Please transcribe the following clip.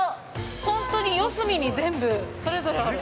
本当に四隅に全部、それぞれある。